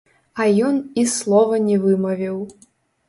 А ён і слова не вымавіў.